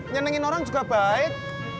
nyenengin orang juga baik